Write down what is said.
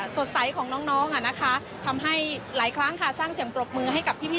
สดใสของน้องอ่ะนะคะทำให้หลายครั้งค่ะสร้างเสียงปรบมือให้กับพี่